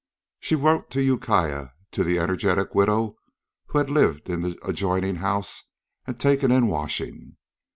She wrote to Ukiah to the energetic widow who had lived in the adjoining house and taken in washing.